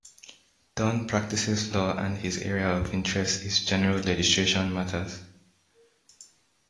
Dunn practices law and his area of interest is general litigation matters.